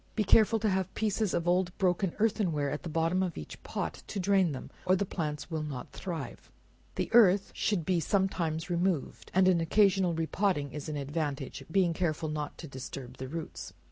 Be careful to have pieces of old broken earthen ware at the bottom of each pot, to drain them, or the plants will not thrive. The earth should be sometimes removed, and an occasional re potting, is an advantage; being careful not to disturb the roots.